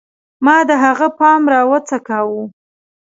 ما د هغه پام راوڅکاوه